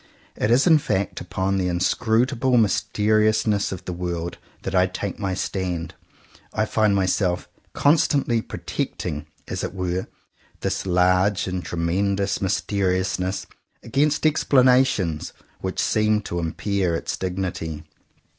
It is in fact upon the in scrutable mysteriousness of the world that I take my stand. I find myself constantly protecting, as it were, this large and tre rnendous mysteriousness, against explana tions which seem to impair its dignity.